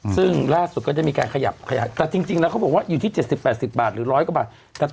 ซึ่งล่าสุดก็ได้มีการขยับขยายแต่จริงแล้วเขาบอกว่าอยู่ที่๗๐๘๐บาทหรือ๑๐๐กว่าบาท